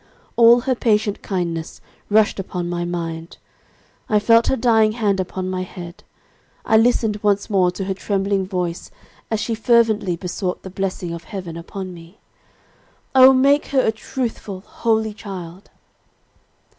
All her patient kindness, rushed upon my mind. I felt her dying hand upon my head. I listened once more to her trembling voice, as she fervently besought the blessing of heaven upon me: "'Oh, make her a truthful, holy child!'